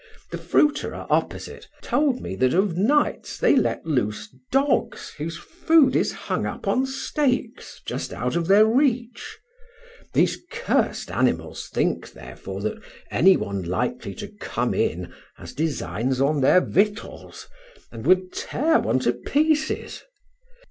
The fruiterer opposite told me that of nights they let loose dogs whose food is hung up on stakes just out of their reach. These cursed animals think, therefore, that any one likely to come in has designs on their victuals, and would tear one to pieces.